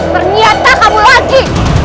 perniata kamu lagi